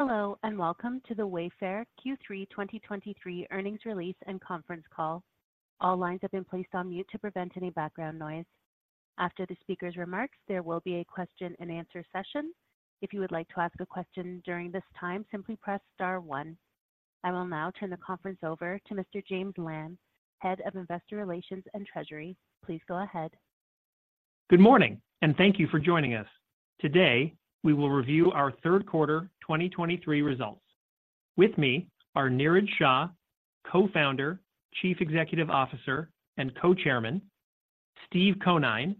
Hello, and welcome to the Wayfair Q3 2023 earnings release and conference call. All lines have been placed on mute to prevent any background noise. After the speaker's remarks, there will be a question and answer session. If you would like to ask a question during this time, simply press star one. I will now turn the conference over to Mr. James Lamb, Head of Investor Relations and Treasury. Please go ahead. Good morning, and thank you for joining us. Today, we will review our third quarter 2023 results. With me are Niraj Shah, Co-Founder, Chief Executive Officer, and Co-Chairman, Steve Conine,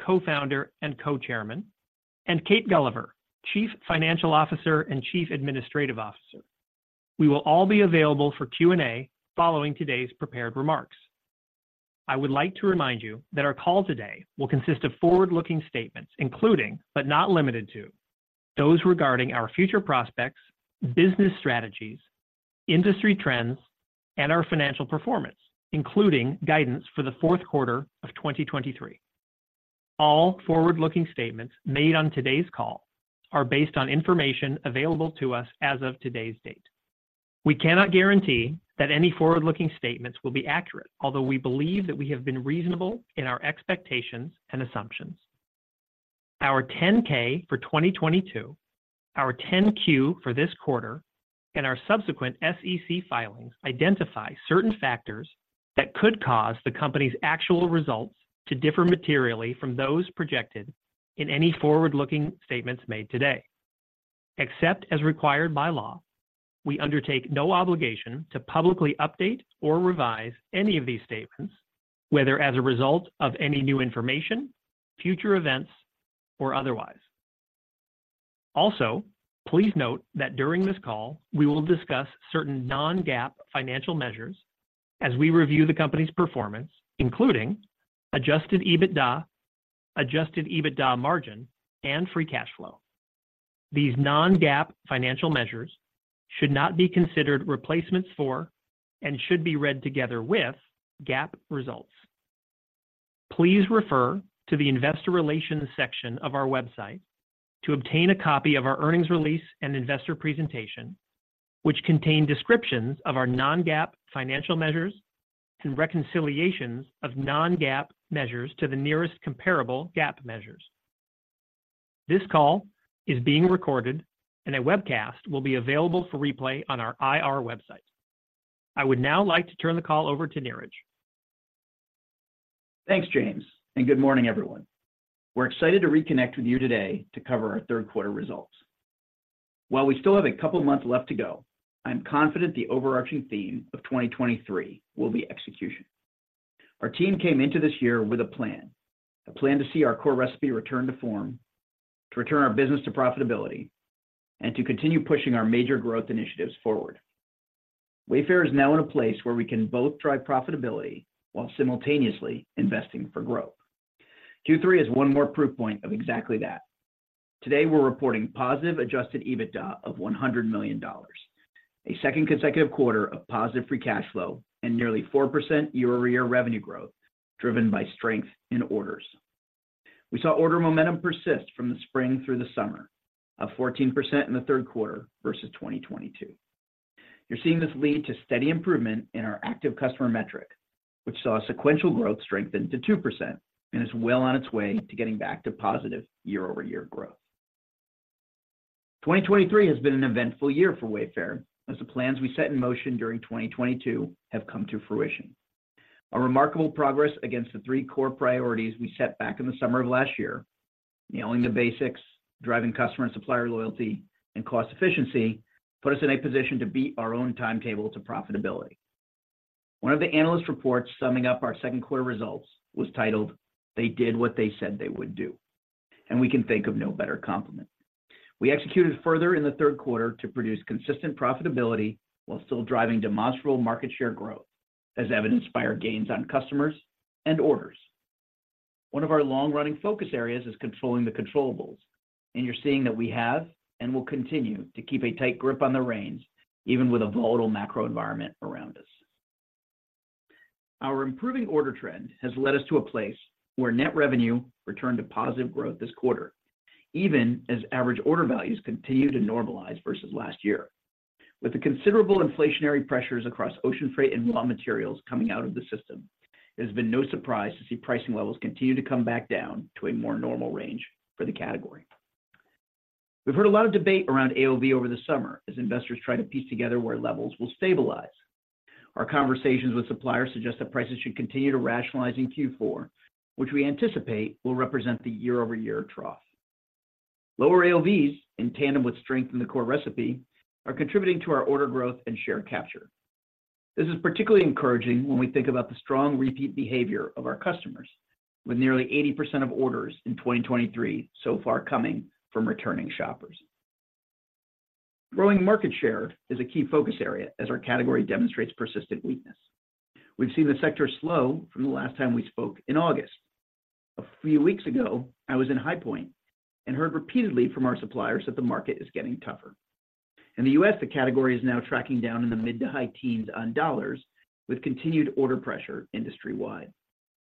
Co-Founder and Co-Chairman, and Kate Gulliver, Chief Financial Officer and Chief Administrative Officer. We will all be available for Q&A following today's prepared remarks. I would like to remind you that our call today will consist of forward-looking statements, including, but not limited to, those regarding our future prospects, business strategies, industry trends, and our financial performance, including guidance for the fourth quarter of 2023. All forward-looking statements made on today's call are based on information available to us as of today's date. We cannot guarantee that any forward-looking statements will be accurate, although we believe that we have been reasonable in our expectations and assumptions. Our 10-K for 2022, our 10-Q for this quarter, and our subsequent SEC filings identify certain factors that could cause the company's actual results to differ materially from those projected in any forward-looking statements made today. Except as required by law, we undertake no obligation to publicly update or revise any of these statements, whether as a result of any new information, future events, or otherwise. Also, please note that during this call, we will discuss certain non-GAAP financial measures as we review the company's performance, including Adjusted EBITDA, Adjusted EBITDA Margin, and Free Cash Flow. These non-GAAP financial measures should not be considered replacements for and should be read together with GAAP results. Please refer to the Investor Relations section of our website to obtain a copy of our earnings release and investor presentation, which contain descriptions of our non-GAAP financial measures and reconciliations of non-GAAP measures to the nearest comparable GAAP measures. This call is being recorded and a webcast will be available for replay on our IR website. I would now like to turn the call over to Niraj. Thanks, James, and good morning, everyone. We're excited to reconnect with you today to cover our third quarter results. While we still have a couple of months left to go, I'm confident the overarching theme of 2023 will be execution. Our team came into this year with a plan, a plan to see our core recipe return to form, to return our business to profitability, and to continue pushing our major growth initiatives forward. Wayfair is now in a place where we can both drive profitability while simultaneously investing for growth. Q3 is one more proof point of exactly that. Today, we're reporting positive adjusted EBITDA of $100 million, a second consecutive quarter of positive free cash flow, and nearly 4% year-over-year revenue growth, driven by strength in orders. We saw order momentum persist from the spring through the summer, up 14% in the third quarter versus 2022. You're seeing this lead to steady improvement in our active customer metric, which saw sequential growth strengthen to 2% and is well on its way to getting back to positive year-over-year growth. 2023 has been an eventful year for Wayfair, as the plans we set in motion during 2022 have come to fruition. A remarkable progress against the three core priorities we set back in the summer of last year, nailing the basics, driving customer and supplier loyalty, and cost efficiency, put us in a position to beat our own timetable to profitability. One of the analyst reports summing up our second quarter results was titled, "They did what they said they would do," and we can think of no better compliment. We executed further in the third quarter to produce consistent profitability while still driving demonstrable market share growth, as evidenced by our gains on customers and orders. One of our long-running focus areas is controlling the controllables, and you're seeing that we have and will continue to keep a tight grip on the reins, even with a volatile macro environment around us. Our improving order trend has led us to a place where net revenue returned to positive growth this quarter, even as average order values continue to normalize versus last year. With the considerable inflationary pressures across ocean freight and raw materials coming out of the system, it has been no surprise to see pricing levels continue to come back down to a more normal range for the category. We've heard a lot of debate around AOV over the summer as investors try to piece together where levels will stabilize. Our conversations with suppliers suggest that prices should continue to rationalize in Q4, which we anticipate will represent the year-over-year trough. Lower AOVs, in tandem with strength in the core recipe, are contributing to our order growth and share capture. This is particularly encouraging when we think about the strong repeat behavior of our customers, with nearly 80% of orders in 2023 so far coming from returning shoppers. Growing market share is a key focus area as our category demonstrates persistent weakness. We've seen the sector slow from the last time we spoke in August. A few weeks ago, I was in High Point and heard repeatedly from our suppliers that the market is getting tougher. In the U.S., the category is now tracking down in the mid- to high-teens on dollars, with continued order pressure industry-wide.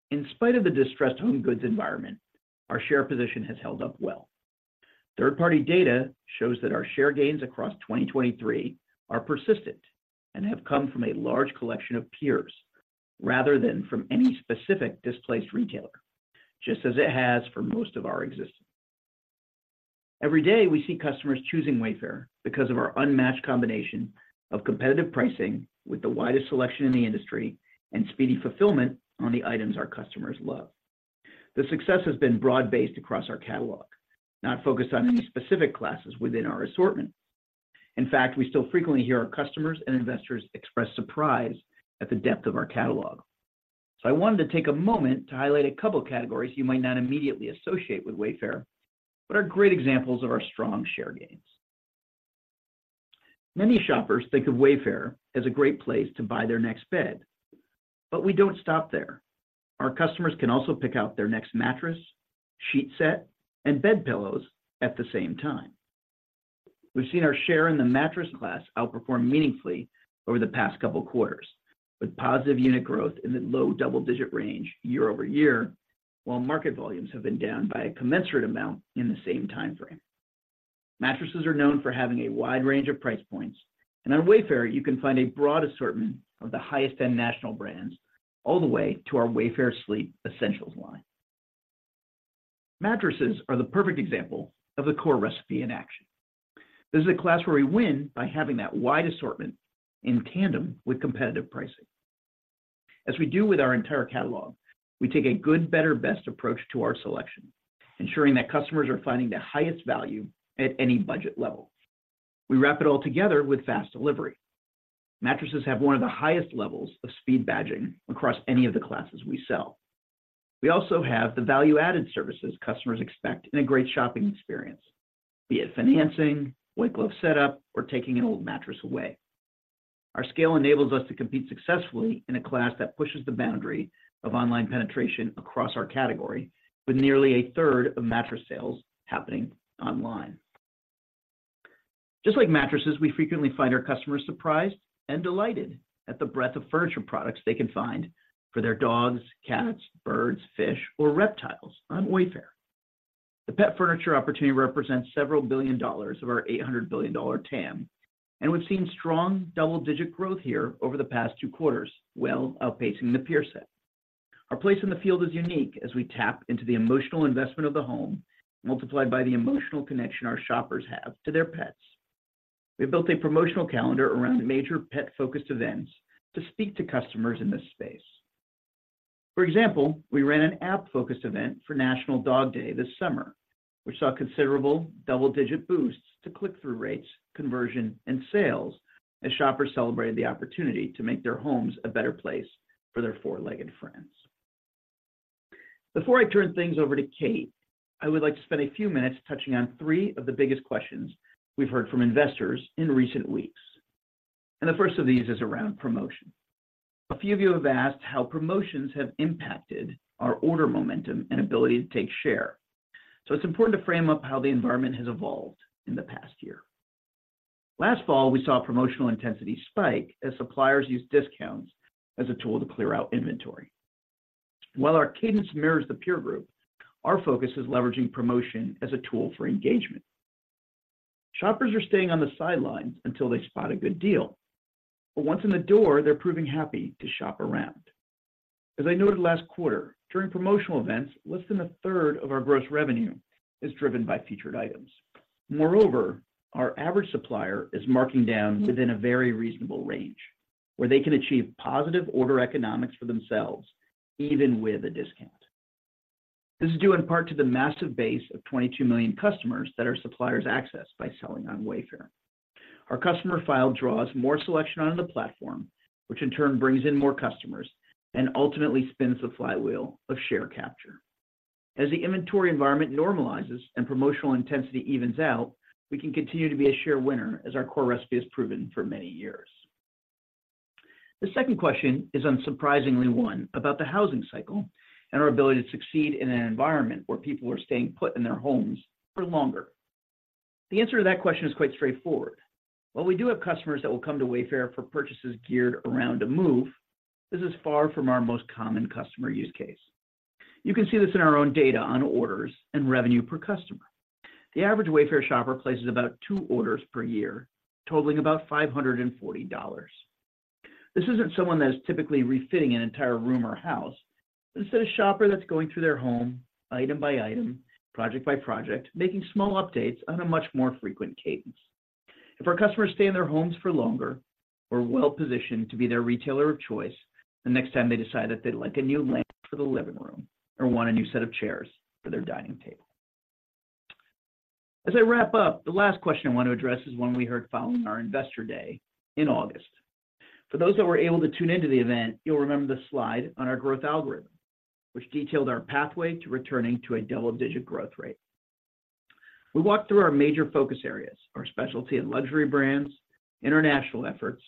In spite of the distressed home goods environment, our share position has held up well. Third-party data shows that our share gains across 2023 are persistent and have come from a large collection of peers, rather than from any specific displaced retailer, just as it has for most of our existence. Every day we see customers choosing Wayfair because of our unmatched combination of competitive pricing with the widest selection in the industry and speedy fulfillment on the items our customers love. The success has been broad-based across our catalog, not focused on any specific classes within our assortment. In fact, we still frequently hear our customers and investors express surprise at the depth of our catalog. So I wanted to take a moment to highlight a couple of categories you might not immediately associate with Wayfair, but are great examples of our strong share gains. Many shoppers think of Wayfair as a great place to buy their next bed, but we don't stop there. Our customers can also pick out their next mattress, sheet set, and bed pillows at the same time. We've seen our share in the mattress class outperform meaningfully over the past couple of quarters, with positive unit growth in the low double-digit range year-over-year, while market volumes have been down by a commensurate amount in the same time frame. Mattresses are known for having a wide range of price points, and on Wayfair, you can find a broad assortment of the highest-end national brands all the way to our Wayfair Sleep Essentials line. Mattresses are the perfect example of the core recipe in action. This is a class where we win by having that wide assortment in tandem with competitive pricing. As we do with our entire catalog, we take a good, better, best approach to our selection, ensuring that customers are finding the highest value at any budget level. We wrap it all together with fast delivery. Mattresses have one of the highest levels of speed badging across any of the classes we sell. We also have the value-added services customers expect in a great shopping experience, be it financing, white glove setup, or taking an old mattress away. Our scale enables us to compete successfully in a class that pushes the boundary of online penetration across our category, with nearly a third of mattress sales happening online. Just like mattresses, we frequently find our customers surprised and delighted at the breadth of furniture products they can find for their dogs, cats, birds, fish, or reptiles on Wayfair. The pet furniture opportunity represents several billion of our $800 billion TAM, and we've seen strong double-digit growth here over the past two quarters, well outpacing the peer set. Our place in the field is unique as we tap into the emotional investment of the home, multiplied by the emotional connection our shoppers have to their pets. We built a promotional calendar around major pet-focused events to speak to customers in this space. For example, we ran an app-focused event for National Dog Day this summer, which saw considerable double-digit boosts to click-through rates, conversion, and sales as shoppers celebrated the opportunity to make their homes a better place for their four-legged friends. Before I turn things over to Kate, I would like to spend a few minutes touching on three of the biggest questions we've heard from investors in recent weeks, and the first of these is around promotion. A few of you have asked how promotions have impacted our order momentum and ability to take share. So it's important to frame up how the environment has evolved in the past year. Last fall, we saw promotional intensity spike as suppliers used discounts as a tool to clear out inventory. While our cadence mirrors the peer group, our focus is leveraging promotion as a tool for engagement. Shoppers are staying on the sidelines until they spot a good deal, but once in the door, they're proving happy to shop around. As I noted last quarter, during promotional events, less than a third of our gross revenue is driven by featured items. Moreover, our average supplier is marking down within a very reasonable range, where they can achieve positive order economics for themselves, even with a discount. This is due in part to the massive base of 22 million customers that our suppliers access by selling on Wayfair. Our customer file draws more selection on the platform, which in turn brings in more customers and ultimately spins the flywheel of share capture. As the inventory environment normalizes and promotional intensity evens out, we can continue to be a share winner, as our core recipe has proven for many years. The second question is unsurprisingly one about the housing cycle and our ability to succeed in an environment where people are staying put in their homes for longer. The answer to that question is quite straightforward. While we do have customers that will come to Wayfair for purchases geared around a move, this is far from our most common customer use case. You can see this in our own data on orders and revenue per customer. The average Wayfair shopper places about two orders per year, totaling about $540. This isn't someone that is typically refitting an entire room or house. This is a shopper that's going through their home item by item, project by project, making small updates on a much more frequent cadence. If our customers stay in their homes for longer, we're well positioned to be their retailer of choice the next time they decide that they'd like a new lamp for the living room or want a new set of chairs for their dining table. As I wrap up, the last question I want to address is one we heard following our Investor Day in August. For those that were able to tune in to the event, you'll remember the slide on our growth algorithm, which detailed our pathway to returning to a double-digit growth rate. We walked through our major focus areas, our specialty and luxury brands, international efforts,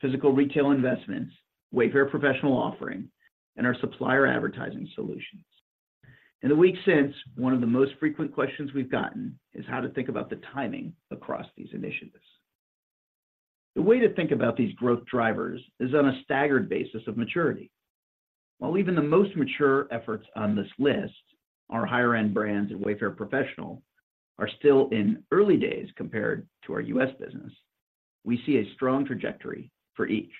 physical retail investments, Wayfair Professional offering, and our supplier advertising solutions. In the weeks since, one of the most frequent questions we've gotten is how to think about the timing across these initiatives. The way to think about these growth drivers is on a staggered basis of maturity. While even the most mature efforts on this list, our higher-end brands and Wayfair Professional, are still in early days compared to our U.S. business, we see a strong trajectory for each.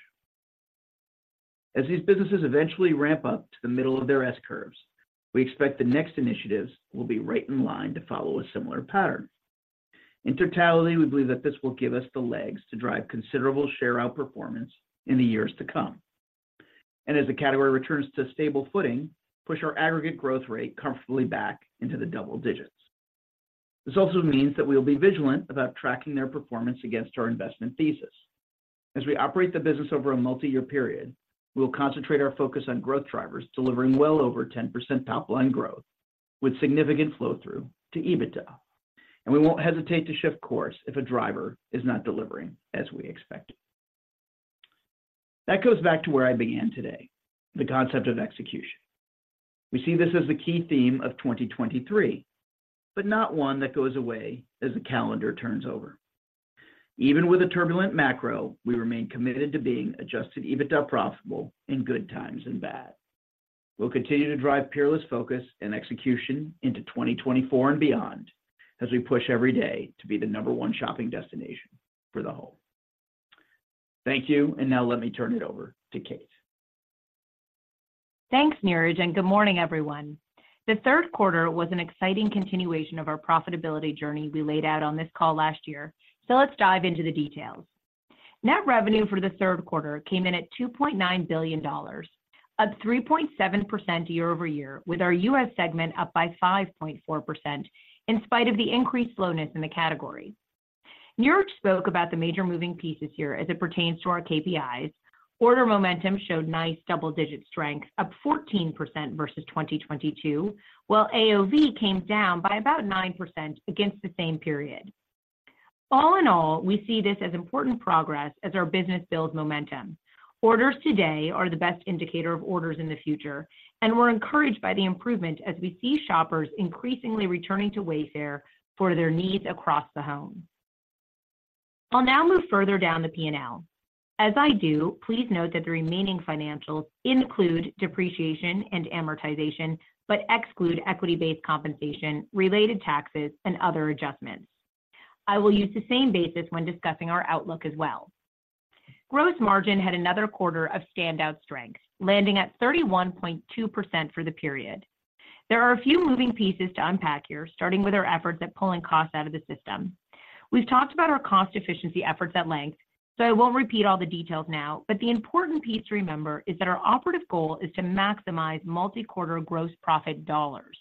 As these businesses eventually ramp up to the middle of their S-curves, we expect the next initiatives will be right in line to follow a similar pattern. In totality, we believe that this will give us the legs to drive considerable share outperformance in the years to come. And as the category returns to stable footing, push our aggregate growth rate comfortably back into the double digits. This also means that we will be vigilant about tracking their performance against our investment thesis. As we operate the business over a multi-year period, we will concentrate our focus on growth drivers, delivering well over 10% top-line growth, with significant flow-through to EBITDA. And we won't hesitate to shift course if a driver is not delivering as we expected. That goes back to where I began today, the concept of execution. We see this as the key theme of 2023, but not one that goes away as the calendar turns over. Even with a turbulent macro, we remain committed to being Adjusted EBITDA profitable in good times and bad. We'll continue to drive peerless focus and execution into 2024 and beyond, as we push every day to be the number one shopping destination for the home. Thank you, and now let me turn it over to Kate. Thanks, Niraj, and good morning, everyone. The third quarter was an exciting continuation of our profitability journey we laid out on this call last year, so let's dive into the details. Net revenue for the third quarter came in at $2.9 billion, up 3.7% year-over-year, with our U.S. segment up by 5.4%, in spite of the increased slowness in the category. Niraj spoke about the major moving pieces here as it pertains to our KPIs. Order momentum showed nice double-digit strength, up 14% versus 2022, while AOV came down by about 9% against the same period. All in all, we see this as important progress as our business builds momentum. Orders today are the best indicator of orders in the future, and we're encouraged by the improvement as we see shoppers increasingly returning to Wayfair for their needs across the home. I'll now move further down the P&L. As I do, please note that the remaining financials include depreciation and amortization, but exclude equity-based compensation, related taxes, and other adjustments. I will use the same basis when discussing our outlook as well. Gross margin had another quarter of standout strength, landing at 31.2% for the period. There are a few moving pieces to unpack here, starting with our efforts at pulling costs out of the system. We've talked about our cost efficiency efforts at length, so I won't repeat all the details now, but the important piece to remember is that our operative goal is to maximize multi-quarter gross profit dollars.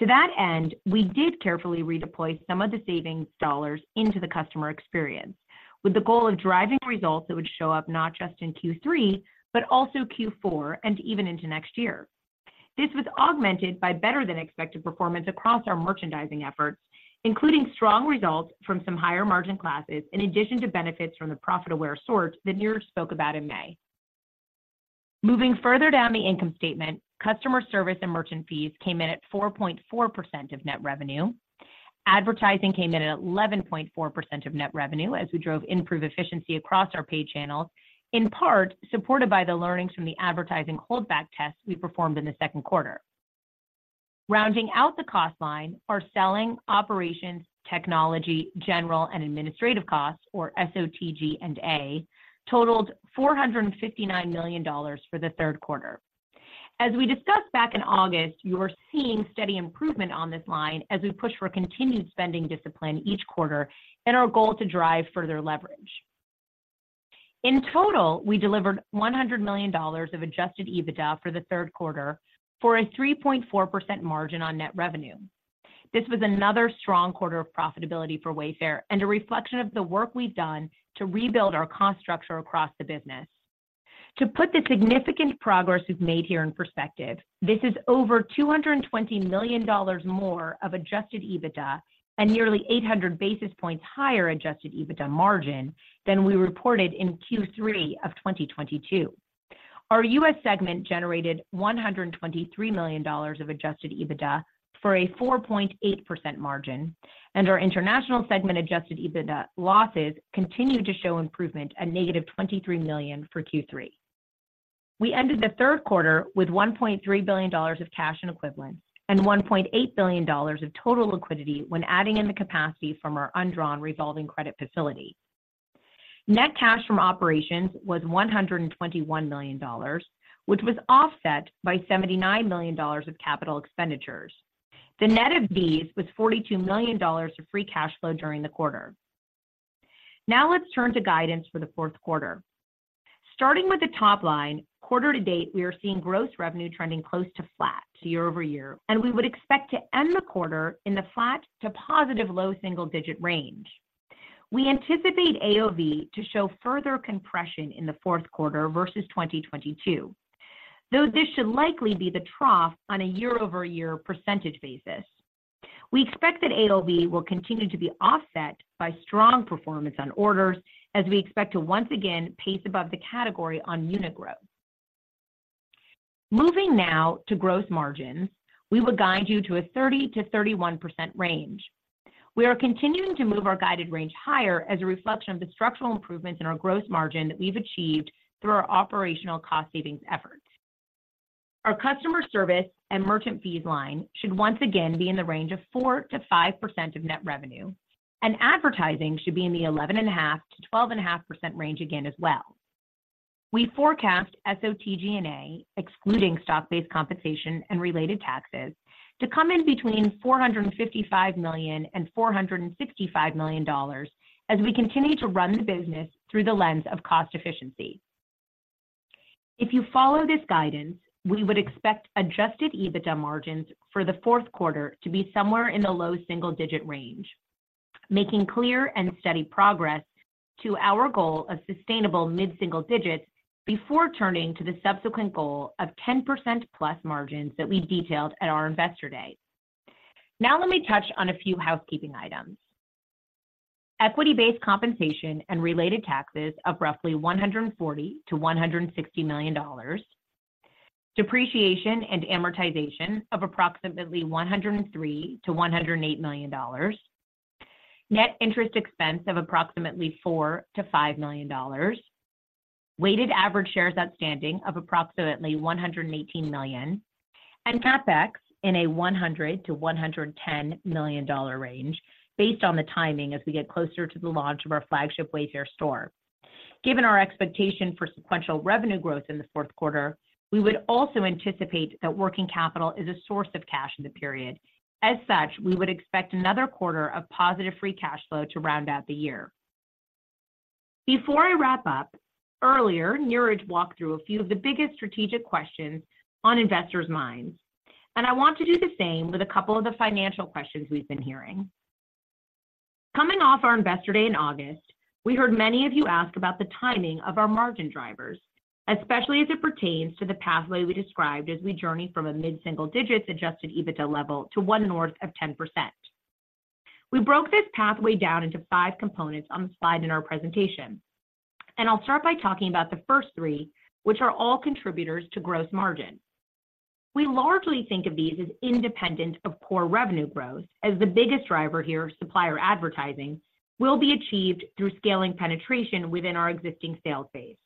To that end, we did carefully redeploy some of the savings dollars into the customer experience, with the goal of driving results that would show up not just in Q3, but also Q4 and even into next year. This was augmented by better-than-expected performance across our merchandising efforts, including strong results from some higher-margin classes, in addition to benefits from the profit-aware sorts that Niraj spoke about in May. Moving further down the income statement, customer service and merchant fees came in at 4.4% of net revenue. Advertising came in at 11.4% of net revenue as we drove improved efficiency across our paid channels, in part supported by the learnings from the advertising holdback test we performed in the second quarter. Rounding out the cost line, our selling, operations, technology, general, and administrative costs, or SOTG&A, totaled $459 million for the third quarter. As we discussed back in August, you are seeing steady improvement on this line as we push for continued spending discipline each quarter and our goal to drive further leverage. In total, we delivered $100 million of adjusted EBITDA for the third quarter for a 3.4% margin on net revenue. This was another strong quarter of profitability for Wayfair and a reflection of the work we've done to rebuild our cost structure across the business. To put the significant progress we've made here in perspective, this is over $220 million more of adjusted EBITDA and nearly 800 basis points higher adjusted EBITDA margin than we reported in Q3 of 2022. Our U.S. segment generated $123 million of Adjusted EBITDA for a 4.8% margin, and our international segment Adjusted EBITDA losses continued to show improvement at -$23 million for Q3. We ended the third quarter with $1.3 billion of cash and equivalents and $1.8 billion of total liquidity when adding in the capacity from our undrawn revolving credit facility. Net cash from operations was $121 million, which was offset by $79 million of capital expenditures. The net of these was $42 million of free cash flow during the quarter. Now, let's turn to guidance for the fourth quarter. Starting with the top line, quarter to date, we are seeing gross revenue trending close to flat year-over-year, and we would expect to end the quarter in the flat to positive low double-digit range. We anticipate AOV to show further compression in the fourth quarter versus 2022, though this should likely be the trough on a year-over-year percentage basis. We expect that AOV will continue to be offset by strong performance on orders, as we expect to once again pace above the category on unit growth. Moving now to gross margin, we will guide you to a 30%-31% range. We are continuing to move our guided range higher as a reflection of the structural improvements in our gross margin that we've achieved through our operational cost savings efforts. Our customer service and merchant fees line should once again be in the range of 4%-5% of net revenue, and advertising should be in the 11.5%-12.5% range again as well. We forecast SOTG&A, excluding stock-based compensation and related taxes, to come in between $455 million and $465 million as we continue to run the business through the lens of cost efficiency. If you follow this guidance, we would expect adjusted EBITDA margins for the fourth quarter to be somewhere in the low single-digit range, making clear and steady progress to our goal of sustainable mid-single digits before turning to the subsequent goal of 10%+ margins that we detailed at our Investor Day. Now let me touch on a few housekeeping items. Equity-based compensation and related taxes of roughly $140 million-$160 million, depreciation and amortization of approximately $103 million-$108 million, net interest expense of approximately $4 million-$5 million, weighted average shares outstanding of approximately 118 million, and CapEx in a $100 million-$110 million range based on the timing as we get closer to the launch of our flagship Wayfair store. Given our expectation for sequential revenue growth in the fourth quarter, we would also anticipate that working capital is a source of cash in the period. As such, we would expect another quarter of positive free cash flow to round out the year. Before I wrap up, earlier, Niraj walked through a few of the biggest strategic questions on investors' minds, and I want to do the same with a couple of the financial questions we've been hearing. Coming off our Investor Day in August, we heard many of you ask about the timing of our margin drivers, especially as it pertains to the pathway we described as we journey from a mid-single digits Adjusted EBITDA level to one north of 10%. We broke this pathway down into five components on the slide in our presentation, and I'll start by talking about the first three, which are all contributors to gross margin. We largely think of these as independent of core revenue growth, as the biggest driver here, supplier advertising, will be achieved through scaling penetration within our existing sales base.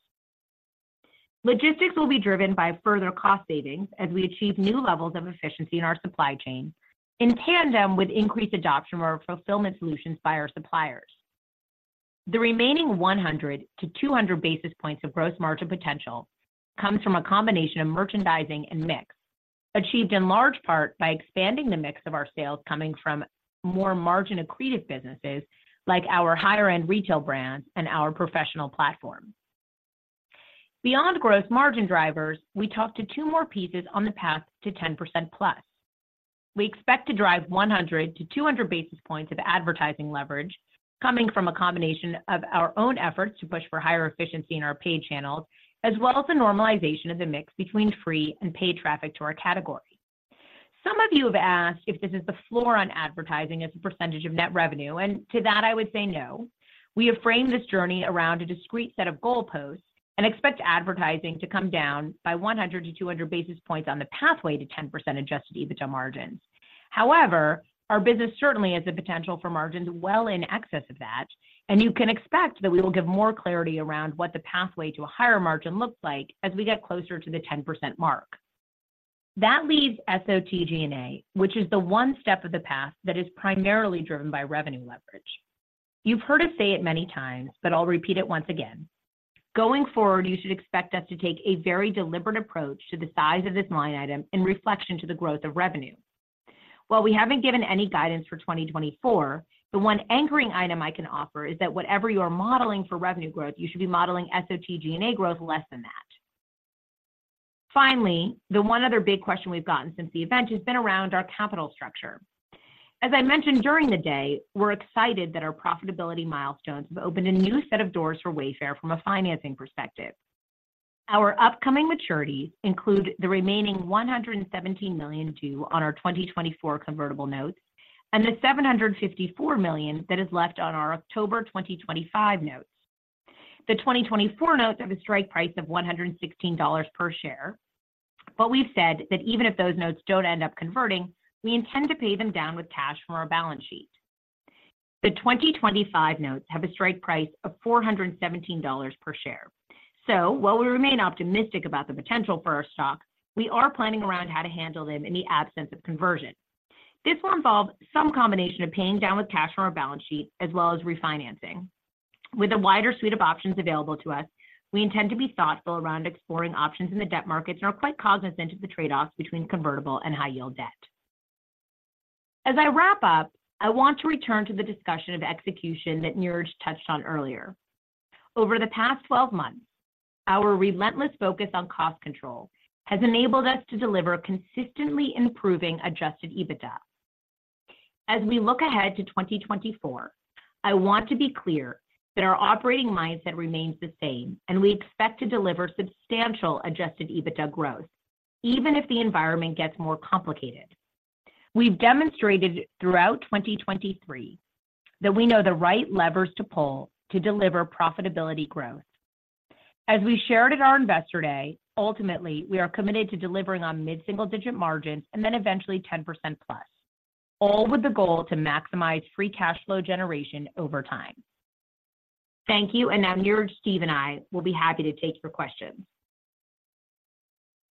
Logistics will be driven by further cost savings as we achieve new levels of efficiency in our supply chain, in tandem with increased adoption of our fulfillment solutions by our suppliers. The remaining 100-200 basis points of gross margin potential comes from a combination of merchandising and mix, achieved in large part by expanding the mix of our sales coming from more margin accretive businesses like our higher-end retail brands and our professional platform. Beyond gross margin drivers, we talked to two more pieces on the path to 10%+. We expect to drive 100-200 basis points of advertising leverage coming from a combination of our own efforts to push for higher efficiency in our paid channels, as well as the normalization of the mix between free and paid traffic to our category. Some of you have asked if this is the floor on advertising as a percentage of net revenue, and to that I would say no. We have framed this journey around a discrete set of goalposts and expect advertising to come down by 100-200 basis points on the pathway to 10% adjusted EBITDA margins. However, our business certainly has the potential for margins well in excess of that, and you can expect that we will give more clarity around what the pathway to a higher margin looks like as we get closer to the 10% mark. That leaves SOTG&A, which is the one step of the path that is primarily driven by revenue leverage. You've heard us say it many times, but I'll repeat it once again. Going forward, you should expect us to take a very deliberate approach to the size of this line item in reflection to the growth of revenue. While we haven't given any guidance for 2024, the one anchoring item I can offer is that whatever you are modeling for revenue growth, you should be modeling SOTG&A growth less than that. Finally, the one other big question we've gotten since the event has been around our capital structure. As I mentioned during the day, we're excited that our profitability milestones have opened a new set of doors for Wayfair from a financing perspective. Our upcoming maturities include the remaining $117 million due on our 2024 convertible notes and the $754 million that is left on our October 2025 notes. The 2024 notes have a strike price of $116 per share. But we've said that even if those notes don't end up converting, we intend to pay them down with cash from our balance sheet. The 2025 notes have a strike price of $417 per share. So while we remain optimistic about the potential for our stock, we are planning around how to handle them in the absence of conversion. This will involve some combination of paying down with cash from our balance sheet as well as refinancing. With a wider suite of options available to us, we intend to be thoughtful around exploring options in the debt markets and are quite cognizant of the trade-offs between convertible and high-yield debt. As I wrap up, I want to return to the discussion of execution that Niraj touched on earlier. Over the past 12 months, our relentless focus on cost control has enabled us to deliver consistently improving adjusted EBITDA. As we look ahead to 2024, I want to be clear that our operating mindset remains the same, and we expect to deliver substantial adjusted EBITDA growth, even if the environment gets more complicated. We've demonstrated throughout 2023 that we know the right levers to pull to deliver profitability growth. As we shared at our Investor Day, ultimately, we are committed to delivering on mid-single-digit margins, and then eventually 10%+, all with the goal to maximize free cash flow generation over time. Thank you, and now Niraj, Steve, and I will be happy to take your questions.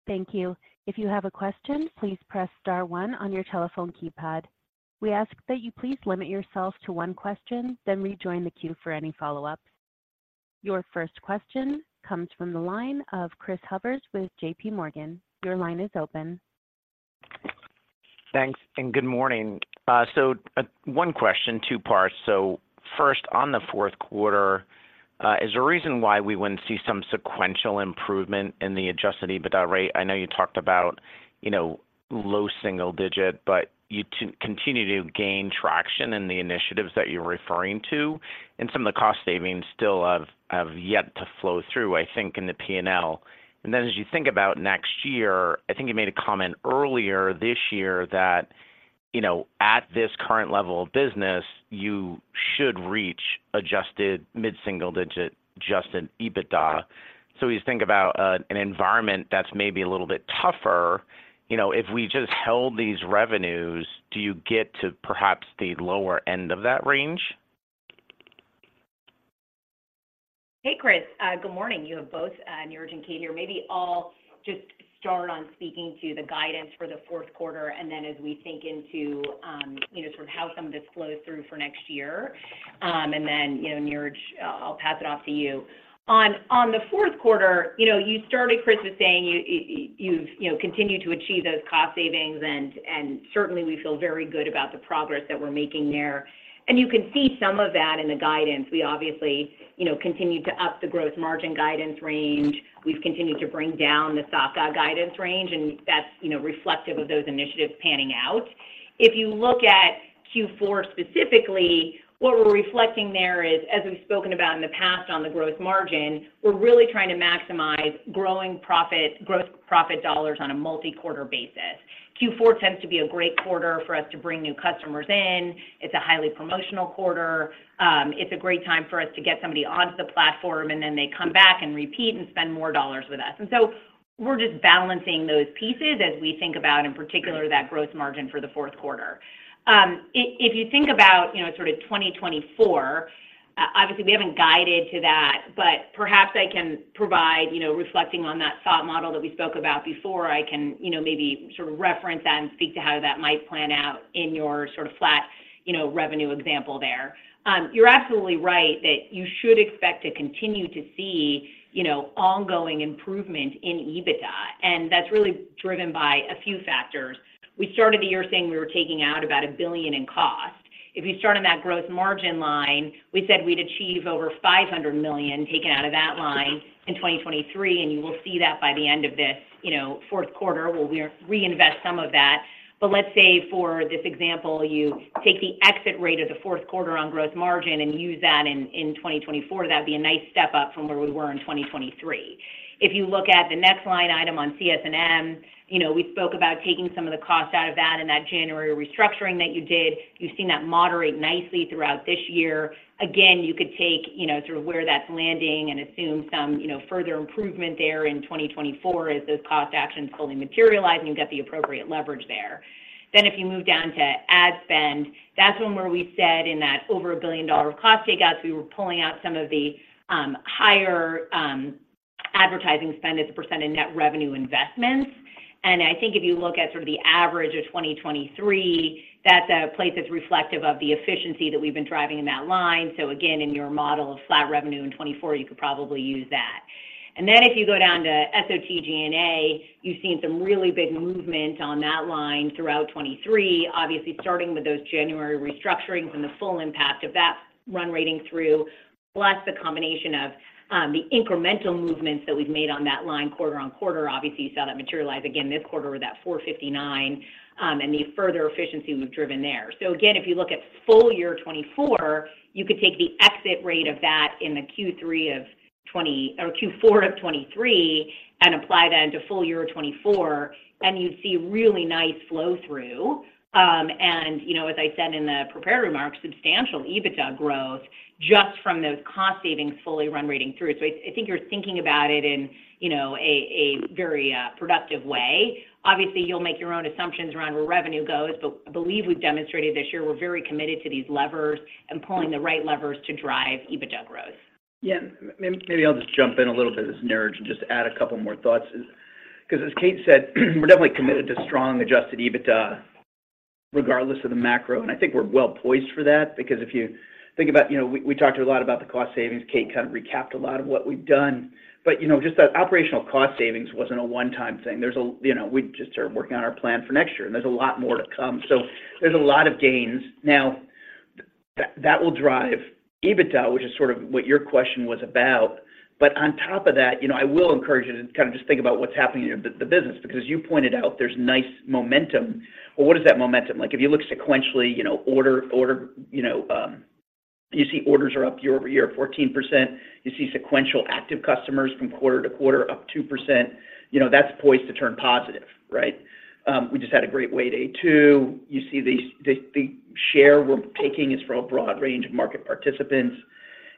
Thank you. If you have a question, please press star one on your telephone keypad. We ask that you please limit yourself to one question, then rejoin the queue for any follow-ups. Your first question comes from the line of Chris Horvers with JPMorgan. Your line is open. Thanks, and good morning. One question, two parts. So first, on the fourth quarter, is there a reason why we wouldn't see some sequential improvement in the Adjusted EBITDA rate? I know you talked about, you know, low single-digit, but you continue to gain traction in the initiatives that you're referring to, and some of the cost savings still have yet to flow through, I think, in the P&L. And then as you think about next year, I think you made a comment earlier this year that, you know, at this current level of business, you should reach adjusted mid-single-digit Adjusted EBITDA. So as you think about an environment that's maybe a little bit tougher, you know, if we just held these revenues, do you get to perhaps the lower end of that range? Hey, Chris, good morning. You have both, Niraj and Kate here. Maybe I'll just start on speaking to the guidance for the fourth quarter, and then as we think into, you know, sort of how some of this flows through for next year, and then, you know, Niraj, I'll pass it off to you. On the fourth quarter, you know, you started, Chris, with saying you've, you know, continued to achieve those cost savings, and certainly, we feel very good about the progress that we're making there. You can see some of that in the guidance. We obviously, you know, continued to up the gross margin guidance range. We've continued to bring down the SOTG&A guidance range, and that's, you know, reflective of those initiatives panning out. If you look at Q4 specifically, what we're reflecting there is, as we've spoken about in the past on the gross margin, we're really trying to maximize gross profit dollars on a multi-quarter basis. Q4 tends to be a great quarter for us to bring new customers in. It's a highly promotional quarter. It's a great time for us to get somebody onto the platform, and then they come back and repeat and spend more dollars with us. And so we're just balancing those pieces as we think about, in particular, that gross margin for the fourth quarter. If you think about, you know, sort of 2024, obviously, we haven't guided to that, but perhaps I can provide, you know, reflecting on that thought model that we spoke about before, I can, you know, maybe sort of reference that and speak to how that might plan out in your sort of flat, you know, revenue example there. You're absolutely right that you should expect to continue to see, you know, ongoing improvement in EBITDA, and that's really driven by a few factors. We started the year saying we were taking out about $1 billion in cost. If you start on that gross margin line, we said we'd achieve over $500 million taken out of that line in 2023, and you will see that by the end of this, you know, fourth quarter, where we reinvest some of that. Let's say, for this example, you take the exit rate of the fourth quarter on gross margin and use that in 2024, that'd be a nice step up from where we were in 2023. If you look at the next line item on CS&M, you know, we spoke about taking some of the cost out of that in that January restructuring that you did. You've seen that moderate nicely throughout this year. Again, you could take, you know, sort of where that's landing and assume some, you know, further improvement there in 2024 as those cost actions fully materialize, and you've got the appropriate leverage there. Then if you move down to ad spend, that's one where we said in that over $1 billion of cost takeouts, we were pulling out some of the higher advertising spend as a % of net revenue investments. And I think if you look at sort of the average of 2023, that's a place that's reflective of the efficiency that we've been driving in that line. So again, in your model of flat revenue in 2024, you could probably use that. And then if you go down to SOTG&A, you've seen some really big movement on that line throughout 2023, obviously, starting with those January restructurings and the full impact of that run rating through, plus the combination of the incremental movements that we've made on that line quarter-over-quarter. Obviously, you saw that materialize again this quarter with that $459 million, and the further efficiency we've driven there. So again, if you look at full year 2024, you could take the exit rate of that in the Q3 or Q4 of 2023 and apply that into full year 2024, and you'd see really nice flow-through. And you know, as I said in the prepared remarks, substantial EBITDA growth just from those cost savings fully run-rating through. So I, I think you're thinking about it in, you know, a, a very productive way. Obviously, you'll make your own assumptions around where revenue goes, but I believe we've demonstrated this year, we're very committed to these levers and pulling the right levers to drive EBITDA growth. Yeah, maybe I'll just jump in a little bit as Niraj, and just add a couple more thoughts. Because as Kate said, we're definitely committed to strong Adjusted EBITDA, regardless of the macro, and I think we're well poised for that. Because if you think about, you know, we talked a lot about the cost savings. Kate kind of recapped a lot of what we've done, but, you know, just the operational cost savings wasn't a one-time thing. There is, you know, we just are working on our plan for next year, and there's a lot more to come. So there's a lot of gains. Now, that will drive EBITDA, which is sort of what your question was about. But on top of that, you know, I will encourage you to kind of just think about what's happening in the business, because you pointed out there's nice momentum. Well, what is that momentum like? If you look sequentially, you know, you see orders are up year-over-year, 14%. You see sequential active customers from quarter-to-quarter, up 2%. You know, that's poised to turn positive, right? We just had a great Way Day 2.0. You see the share we're taking is from a broad range of market participants.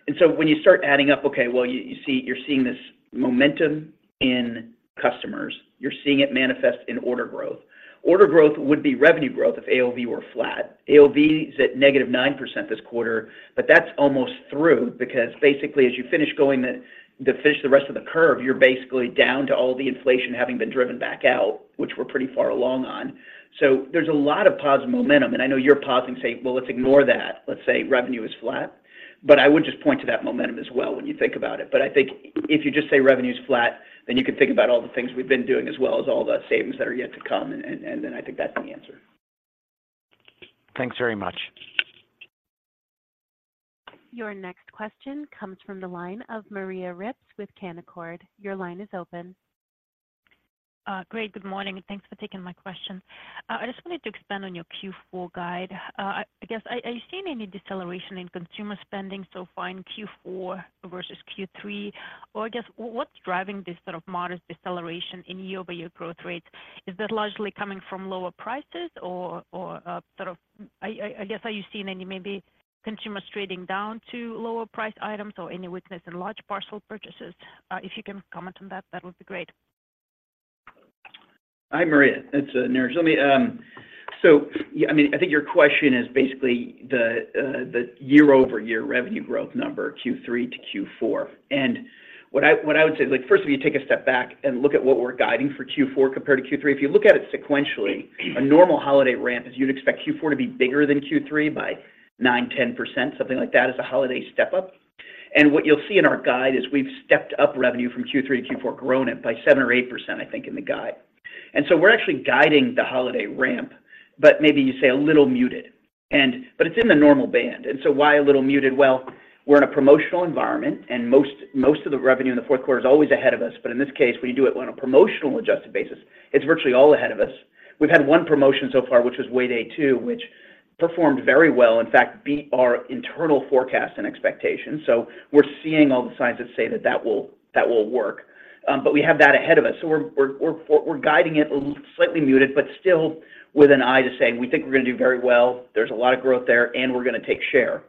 And so when you start adding up, okay, well, you see-- you're seeing this momentum in customers. You're seeing it manifest in order growth. Order growth would be revenue growth if AOV were flat. AOV is at -9% this quarter, but that's almost through, because basically, as you finish going the, to finish the rest of the curve, you're basically down to all the inflation having been driven back out, which we're pretty far along on. So there's a lot of positive momentum, and I know you're pausing to say, "Well, let's ignore that. Let's say revenue is flat." But I would just point to that momentum as well when you think about it. But I think if you just say revenue is flat, then you can think about all the things we've been doing, as well as all the savings that are yet to come, and then I think that's the answer. Thanks very much. Your next question comes from the line of Maria Ripps with Canaccord. Your line is open. Great, good morning, and thanks for taking my question. I just wanted to expand on your Q4 guide. I guess, are you seeing any deceleration in consumer spending so far in Q4 versus Q3? Or I guess, what's driving this sort of modest deceleration in year-over-year growth rates? Is that largely coming from lower prices or sort of, I guess, are you seeing any consumers maybe trading down to lower price items or any weakness in large parcel purchases? If you can comment on that, that would be great. Hi, Maria, it's Niraj. Let me— So yeah, I mean, I think your question is basically the year-over-year revenue growth number, Q3 to Q4. And what I would say, like, first, if you take a step back and look at what we're guiding for Q4 compared to Q3, if you look at it sequentially, a normal holiday ramp is you'd expect Q4 to be bigger than Q3 by 9%-10%, something like that, as a holiday step-up. And what you'll see in our guide is we've stepped up revenue from Q3 to Q4, grown it by 7%-8%, I think, in the guide. And so we're actually guiding the holiday ramp, but maybe you say a little muted. But it's in the normal band. And so why a little muted? Well, we're in a promotional environment, and most of the revenue in the fourth quarter is always ahead of us. But in this case, we do it on a promotional adjusted basis. It's virtually all ahead of us. We've had one promotion so far, which was Way Day 2.0, which performed very well, in fact, beat our internal forecast and expectations. So we're seeing all the signs that say that that will work, but we have that ahead of us. So we're guiding it slightly muted, but still with an eye to say, we think we're gonna do very well, there's a lot of growth there, and we're gonna take share.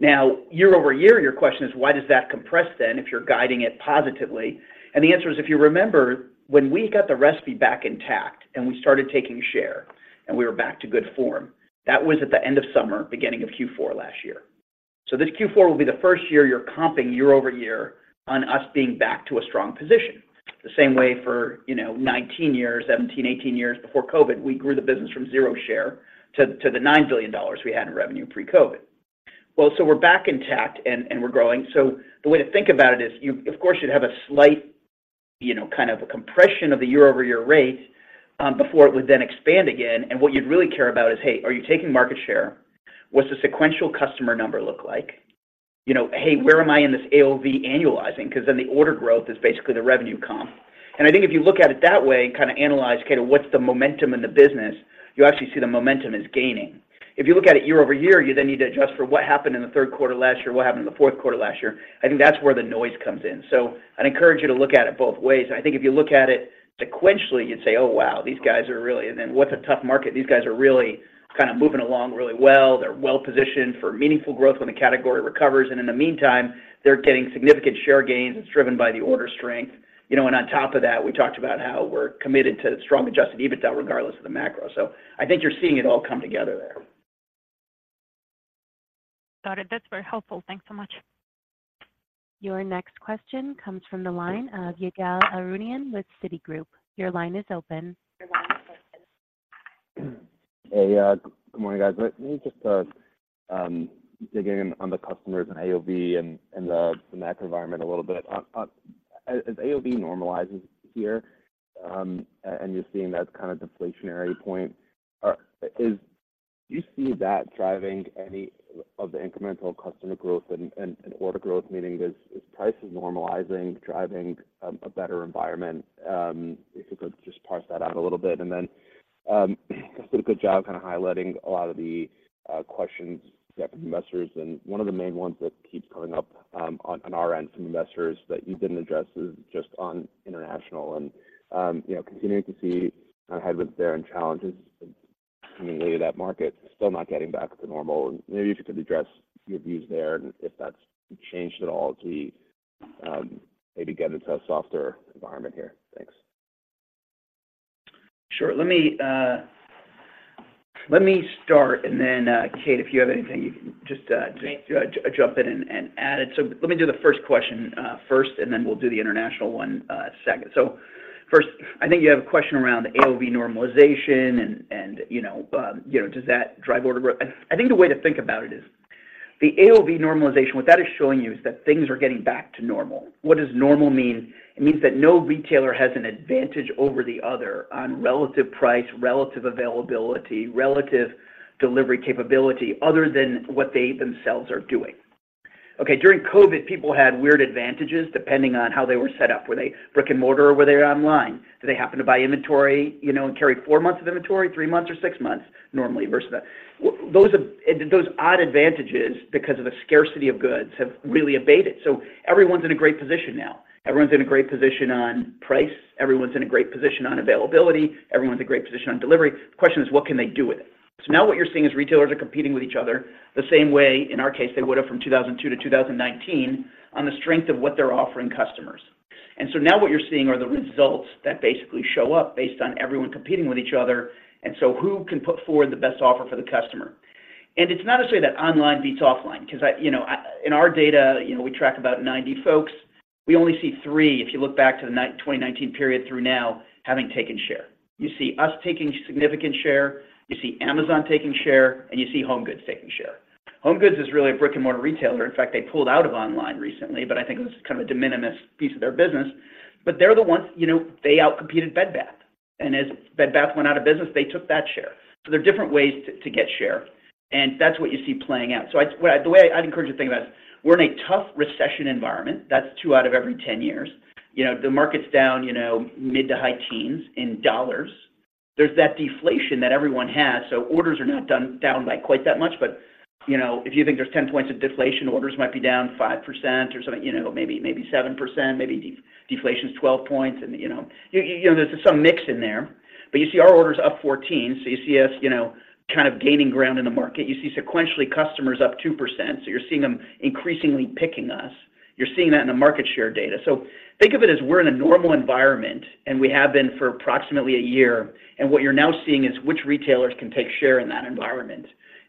Now, year-over-year, your question is, why does that compress then, if you're guiding it positively? The answer is, if you remember, when we got the recipe back intact and we started taking share and we were back to good form, that was at the end of summer, beginning of Q4 last year. So this Q4 will be the first year you're comping year-over-year on us being back to a strong position. The same way for, you know, 19 years, 17, 18 years before COVID, we grew the business from zero share to the $9 billion we had in revenue pre-COVID. Well, so we're back intact and we're growing. So the way to think about it is, you, of course, you'd have a slight, you know, kind of a compression of the year-over-year rate, before it would then expand again. And what you'd really care about is, hey, are you taking market share? What's the sequential customer number look like? You know, hey, where am I in this AOV annualizing? Because then the order growth is basically the revenue comp. And I think if you look at it that way, kind of analyze kind of what's the momentum in the business, you actually see the momentum is gaining. If you look at it year-over-year, you then need to adjust for what happened in the third quarter last year, what happened in the fourth quarter last year. I think that's where the noise comes in. So I'd encourage you to look at it both ways. I think if you look at it sequentially, you'd say, "Oh, wow, these guys are really... And then what's a tough market? These guys are really kind of moving along really well. They're well-positioned for meaningful growth when the category recovers, and in the meantime, they're getting significant share gains. It's driven by the order strength." You know, and on top of that, we talked about how we're committed to strong Adjusted EBITDA regardless of the macro. So I think you're seeing it all come together there. Got it. That's very helpful. Thanks so much. Your next question comes from the line of Ygal Arounian with Citigroup. Your line is open. Hey, good morning, guys. Let me just dig in on the customers and AOV and the macro environment a little bit. On as AOV normalizes here, and you're seeing that kind of deflationary point, do you see that driving any of the incremental customer growth and order growth, meaning is prices normalizing driving a better environment? If you could just parse that out a little bit. And then, you did a good job kind of highlighting a lot of the questions we have from investors, and one of the main ones that keeps coming up on our end from investors that you didn't address is just on international and you know, continuing to see kind of headwinds there and challenges related to that market, still not getting back to normal. Maybe if you could address your views there and if that's changed at all as we, maybe get into a softer environment here. Thanks. Sure. Let me start, and then, Kate, if you have anything, you can just jump in and add it. So let me do the first question first, and then we'll do the international one second. So first, I think you have a question around AOV normalization and, you know, does that drive order growth? I think the way to think about it is, the AOV normalization, what that is showing you is that things are getting back to normal. What does normal mean? It means that no retailer has an advantage over the other on relative price, relative availability, relative delivery capability, other than what they themselves are doing. Okay, during COVID, people had weird advantages depending on how they were set up. Were they brick-and-mortar or were they online? Do they happen to buy inventory, you know, and carry four months of inventory, three months, or six months normally, versus the. Those, and those odd advantages, because of the scarcity of goods, have really abated. So everyone's in a great position now. Everyone's in a great position on price, everyone's in a great position on availability, everyone's in a great position on delivery. The question is, what can they do with it? So now what you're seeing is retailers are competing with each other the same way, in our case, they would have from 2002 to 2019, on the strength of what they're offering customers. And so now what you're seeing are the results that basically show up based on everyone competing with each other, and so who can put forward the best offer for the customer? And it's not to say that online beats offline, 'cause I, you know, in our data, you know, we track about 90 folks. We only see three, if you look back to the 2019 period through now, having taken share. You see us taking significant share, you see Amazon taking share, and you see HomeGoods taking share. HomeGoods is really a brick-and-mortar retailer. In fact, they pulled out of online recently, but I think it was kind of a de minimis piece of their business. But they're the ones, you know, they out-competed Bed Bath. And as Bed Bath went out of business, they took that share. So there are different ways to get share, and that's what you see playing out. So the way I'd encourage you to think about it is, we're in a tough recession environment. That's two out of every 10 years. You know, the market's down, you know, mid- to high-teens in dollars. There's that deflation that everyone has, so orders are not down by quite that much. But, you know, if you think there's 10 points of deflation, orders might be down 5% or something, you know, maybe 7%, maybe deflation is 12 points. And, you know, you know, there's some mix in there. But you see our orders up 14, so you see us, you know, kind of gaining ground in the market. You see sequentially, customers up 2%, so you're seeing them increasingly picking us. You're seeing that in the market share data. So think of it as we're in a normal environment, and we have been for approximately a year, and what you're now seeing is which retailers can take share in that environment.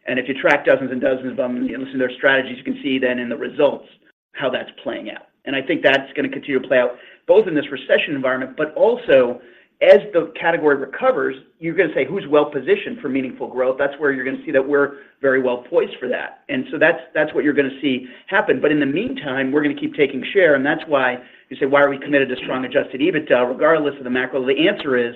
And if you track dozens and dozens of them, and you listen to their strategies, you can see then in the results how that's playing out. And I think that's gonna continue to play out, both in this recession environment, but also as the category recovers, you're gonna say, "Who's well-positioned for meaningful growth?" That's where you're gonna see that we're very well poised for that. And so that's, that's what you're gonna see happen. But in the meantime, we're gonna keep taking share, and that's why you say, why are we committed to strong Adjusted EBITDA, regardless of the macro? The answer is,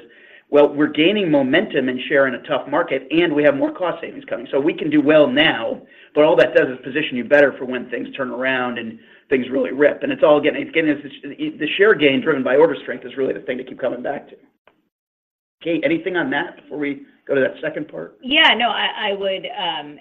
well, we're gaining momentum and share in a tough market, and we have more cost savings coming. So we can do well now, but all that does is position you better for when things turn around and things really rip. And it's all again, it's getting us to... The share gain driven by order strength is really the thing to keep coming back to. Kate, anything on that before we go to that second part? Yeah. No, I would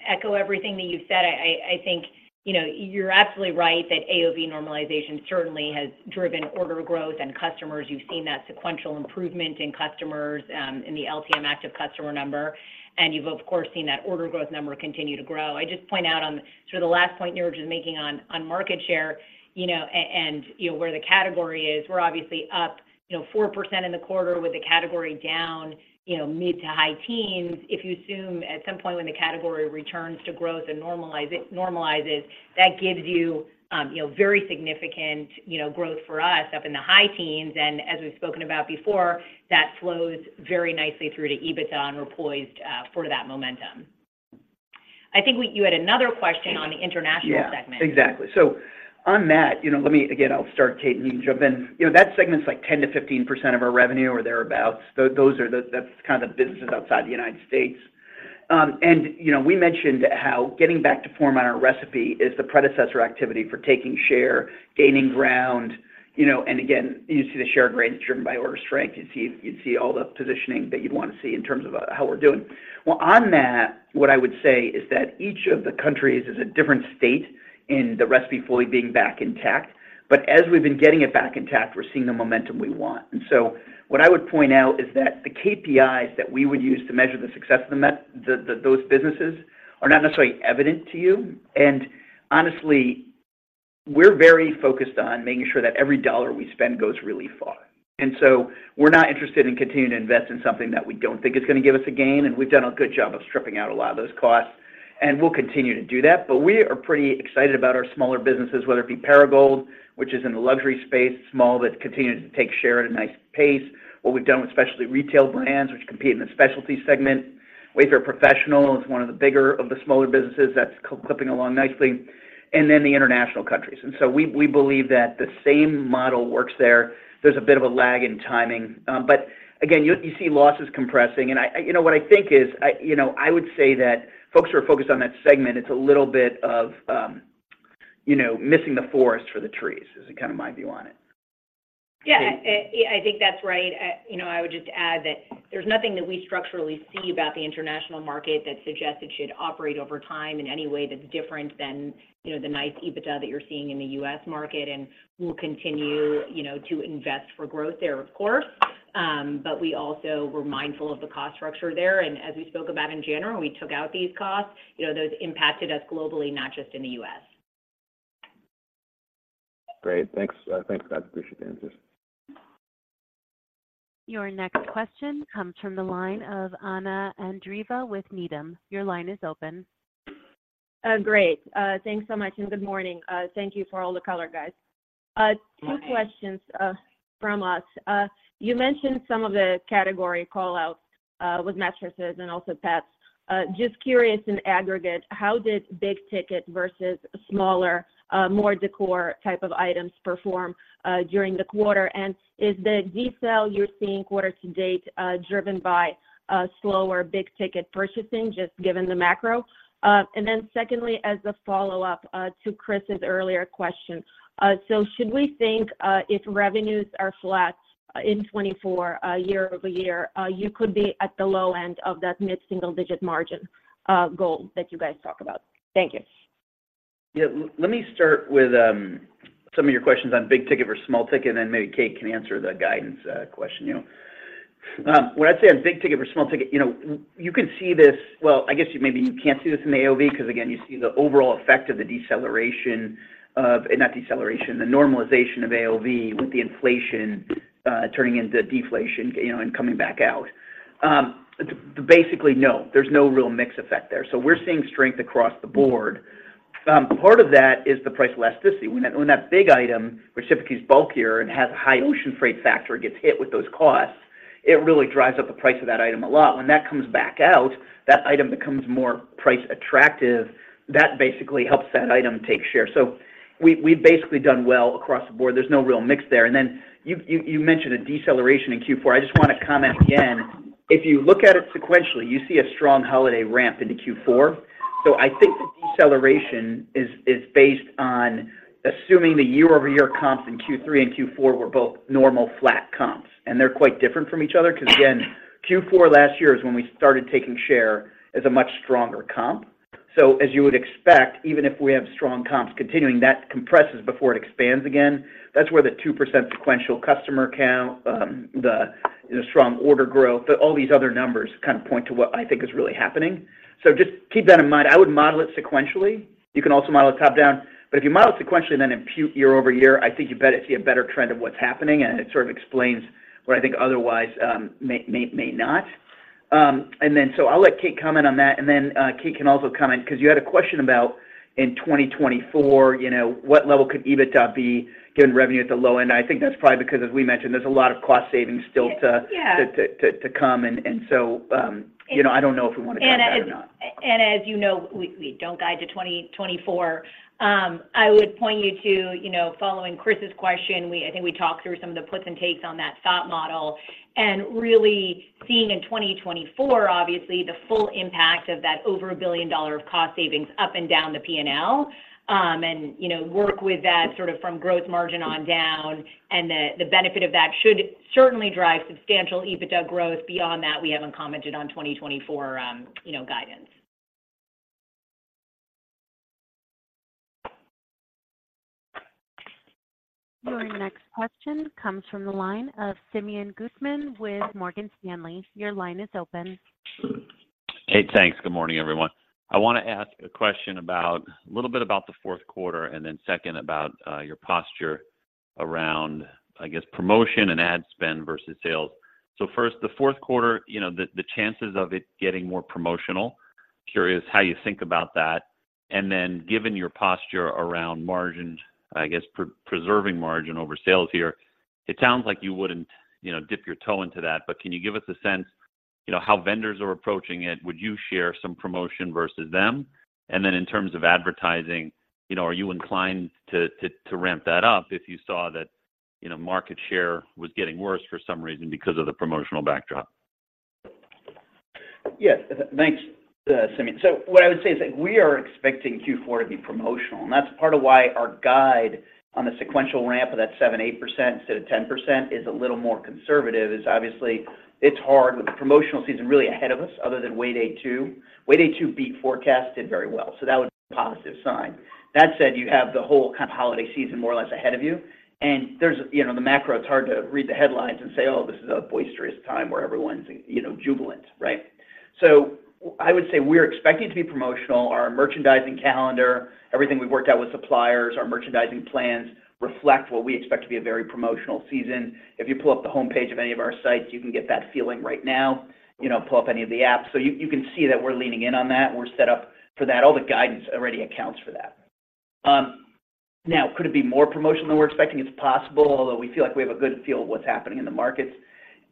echo everything that you've said. I think, you know, you're absolutely right that AOV normalization certainly has driven order growth. And customers, you've seen that sequential improvement in customers in the LTM active customer number, and you've, of course, seen that order growth number continue to grow. I just point out on sort of the last point Niraj was making on market share, you know, and where the category is, we're obviously up, you know, 4% in the quarter with the category down, you know, mid- to high teens. If you assume at some point when the category returns to growth and normalize it-- normalizes, that gives you, you know, very significant, you know, growth for us up in the high teens. As we've spoken about before, that flows very nicely through to EBITDA, and we're poised for that momentum. I think you had another question on the international segment. Yeah, exactly. So on that, you know, let me... Again, I'll start, Kate, and you can jump in. You know, that segment's like 10%-15% of our revenue or thereabout. That's kind of the businesses outside the United States. And, you know, we mentioned how getting back to form on our recipe is the predecessor activity for taking share, gaining ground, you know, and again, you see the share gain is driven by order strength. You see, you'd see all the positioning that you'd want to see in terms of, how we're doing. Well, on that, what I would say is that each of the countries is a different state in the recipe fully being back intact. But as we've been getting it back intact, we're seeing the momentum we want. What I would point out is that the KPIs that we would use to measure the success of those businesses are not necessarily evident to you. And honestly, we're very focused on making sure that every dollar we spend goes really far. And so we're not interested in continuing to invest in something that we don't think is gonna give us a gain, and we've done a good job of stripping out a lot of those costs, and we'll continue to do that. But we are pretty excited about our smaller businesses, whether it be Perigold, which is in the luxury space, small, but continuing to take share at a nice pace. What we've done with Specialty Retail Brands, which compete in the specialty segment. Wayfair Professional is one of the bigger of the smaller businesses that's clipping along nicely, and then the international countries. And so we believe that the same model works there. There's a bit of a lag in timing, but again, you see losses compressing. And I... You know, what I think is, you know, I would say that folks who are focused on that segment, it's a little bit of, you know, missing the forest for the trees, is kind of my view on it. Yeah, yeah, I think that's right. You know, I would just add that there's nothing that we structurally see about the international market that suggests it should operate over time in any way that's different than, you know, the nice EBITDA that you're seeing in the U.S. market, and we'll continue, you know, to invest for growth there, of course. But we also were mindful of the cost structure there, and as we spoke about in January, we took out these costs. You know, those impacted us globally, not just in the U.S. Great. Thanks. Thanks, guys. Appreciate the answers. Your next question comes from the line of Anna Andreeva with Needham. Your line is open. Great. Thanks so much, and good morning. Thank you for all the color, guys. Hi. Two questions from us. You mentioned some of the category call-outs with mattresses and also pets. Just curious, in aggregate, how did big ticket versus smaller, more decor type of items perform during the quarter? And is the decel you're seeing quarter to date driven by slower big ticket purchasing, just given the macro? And then secondly, as a follow-up to Chris's earlier question, so should we think, if revenues are flat in 2024, year-over-year, you could be at the low end of that mid-single-digit margin goal that you guys talk about? Thank you. Yeah. Let me start with some of your questions on big ticket versus small ticket, and then maybe Kate can answer the guidance question, you know. When I say on big ticket versus small ticket, you know, you can see this. Well, I guess maybe you can't see this in AOV, because, again, you see the overall effect of the deceleration of, not deceleration, the normalization of AOV with the inflation turning into deflation, you know, and coming back out. Basically, no, there's no real mix effect there. So we're seeing strength across the board. Part of that is the price elasticity. When that, when that big item, which typically is bulkier and has a high ocean freight factor, gets hit with those costs, it really drives up the price of that item a lot. When that comes back out, that item becomes more price attractive. That basically helps that item take share. So we've basically done well across the board. There's no real mix there. And then you mentioned a deceleration in Q4. I just wanna comment again, if you look at it sequentially, you see a strong holiday ramp into Q4. So I think the deceleration is based on assuming the year-over-year comps in Q3 and Q4 were both normal, flat comps, and they're quite different from each other. Because, again, Q4 last year is when we started taking share as a much stronger comp. So as you would expect, even if we have strong comps continuing, that compresses before it expands again. That's where the 2% sequential customer count, the strong order growth, all these other numbers kind of point to what I think is really happening. So just keep that in mind. I would model it sequentially. You can also model it top-down, but if you model it sequentially, then impute year-over-year, I think you better see a better trend of what's happening, and it sort of explains what I think otherwise may not. And then so I'll let Kate comment on that, and then Kate can also comment, because you had a question about in 2024, you know, what level could EBITDA be, given revenue at the low end? I think that's probably because, as we mentioned, there's a lot of cost savings still to- Yeah.... to come, and so, you know, I don't know if we wanna guide that or not. And as you know, we don't guide to 2024. I would point you to, you know, following Chris's question, we—I think we talked through some of the puts and takes on that thought model, and really seeing in 2024, obviously, the full impact of that over $1 billion of cost savings up and down the P&L. And, you know, work with that sort of from growth margin on down, and the benefit of that should certainly drive substantial EBITDA growth. Beyond that, we haven't commented on 2024, you know, guidance. Your next question comes from the line of Simeon Gutman with Morgan Stanley. Your line is open. Hey, thanks. Good morning, everyone. I wanna ask a question about a little bit about the fourth quarter, and then second, about your posture around, I guess, promotion and ad spend versus sales. So first, the fourth quarter, you know, the chances of it getting more promotional. Curious how you think about that. And then given your posture around margin, I guess, preserving margin over sales here, it sounds like you wouldn't, you know, dip your toe into that, but can you give us a sense, you know, how vendors are approaching it? Would you share some promotion versus them? And then in terms of advertising, you know, are you inclined to ramp that up if you saw that, you know, market share was getting worse for some reason because of the promotional backdrop? Yes. Thanks, Simeon. So what I would say is that we are expecting Q4 to be promotional, and that's part of why our guide on the sequential ramp of that 7%-8% instead of 10% is a little more conservative. It's obviously hard with the promotional season really ahead of us, other than Way Day 2.0. Way Day 2.0 beat forecast, did very well, so that was a positive sign. That said, you have the whole kind of holiday season more or less ahead of you, and there's, you know, the macro. It's hard to read the headlines and say, "Oh, this is a boisterous time where everyone's, you know, jubilant," right? So I would say we're expecting to be promotional. Our merchandising calendar, everything we've worked out with suppliers, our merchandising plans reflect what we expect to be a very promotional season. If you pull up the homepage of any of our sites, you can get that feeling right now. You know, pull up any of the apps. So you can see that we're leaning in on that, and we're set up for that. All the guidance already accounts for that. Now, could it be more promotional than we're expecting? It's possible, although we feel like we have a good feel of what's happening in the markets.